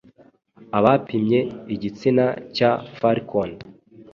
Abapimye igitsina cya Falcon